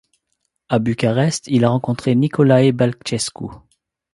À Bucarest, il a rencontré Nicolae Bălcescu.